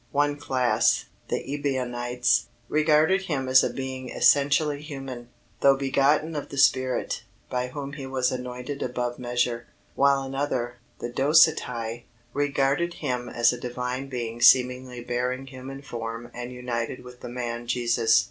One class, the Ebionites, regarded Him as a being essentially human, though begotten of the Spirit, by whom He was anointed above measure; while another, the Docetae, regarded Him as a Divine Being seemingly bearing human form and united with the man Jesus.